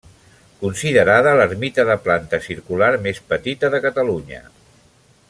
Considerada l'ermita de planta circular més petita de Catalunya.